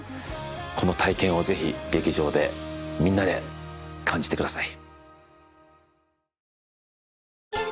この体験をぜひ劇場でみんなで感じてください